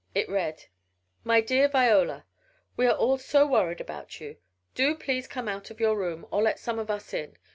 It read: MY DEAR VIOLA: We are all so worried about you. Do please come out of your room or let some of us in.